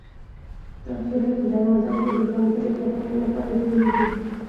دا سورى په دروازه کې د ځانګړې کتنې لپاره جوړېږي.